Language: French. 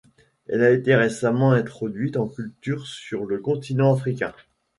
Elle a été récemment introduite en culture sur le continent africain.